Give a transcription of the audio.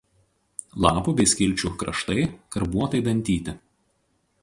Lapų bei skilčių kraštai karbuotai dantyti.